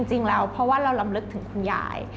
จริงแล้วเพราะว่าเราลำลึกถึงคุณยาย